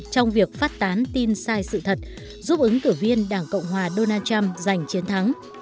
trong việc phát tán tin sai sự thật giúp ứng cử viên đảng cộng hòa donald trump giành chiến thắng